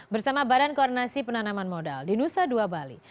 bersama badan koordinasi penanaman modal di nusa dua bali